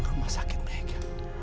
rumah sakit mega